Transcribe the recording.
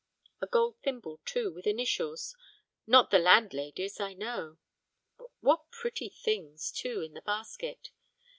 A gold thimble, too, with initials, not the landlady's, I know. What pretty things, too, in the basket!